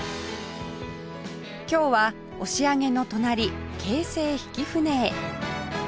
今日は押上の隣京成曳舟へ